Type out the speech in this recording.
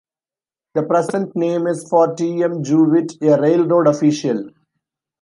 The present name is for T. M. Jewett, a railroad official.